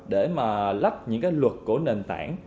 để mà lách những cái luật của nền tảng